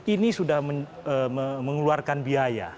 ini sudah mengeluarkan biaya